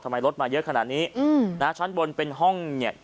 รถมาเยอะขนาดนี้อืมนะฮะชั้นบนเป็นห้องเนี่ย